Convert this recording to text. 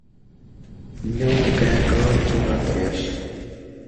نیوع کای کعا چوݩع اتریاش